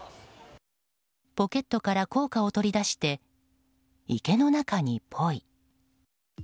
ポケットから硬貨を取り出して池の中にポイ。